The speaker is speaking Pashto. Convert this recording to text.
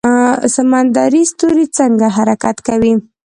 سمندري ستوری څنګه حرکت کوي؟